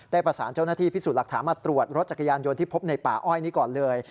ประสานเจ้าหน้าที่พิสูจน์หลักฐานมาตรวจรถจักรยานยนต์ที่พบในป่าอ้อยนี้ก่อนเลย